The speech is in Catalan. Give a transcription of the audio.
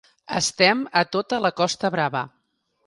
Estem a tota la costa Brava.